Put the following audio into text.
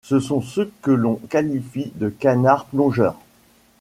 Ce sont ceux que l'on qualifie de canards plongeurs.